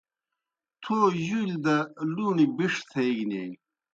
تھو جُولیْ دہ لُوݨیْ بِݜ تھیگینیئی۔